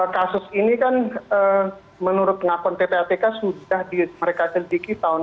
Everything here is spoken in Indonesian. kasus ini kan menurut pengakuan ppatk sudah di mereka cediki tahun dua ribu empat belas ya